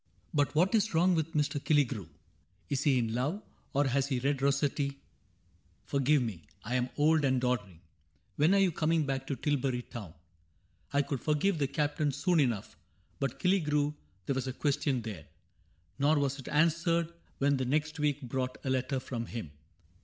But what is wrong with Mr. Killigrew ? Is he in love, or has he read Rossetti ?— Forgive me ! I am old and doddering ..• When arc you coming back to Tilbury Town ? 99 I could forgive the Captain soon enough. But Killigrew — there was a question there ; Nor was it answered when the next week brought A letter from him.